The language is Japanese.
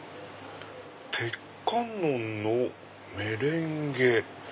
鉄観音のメレンゲ。